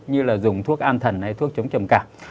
như là dùng thuốc an thần hay thuốc chống trầm cảm